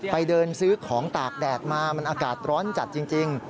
ไปเดินซื้อของตากแดดมามันอากาศร้อนจัดจริง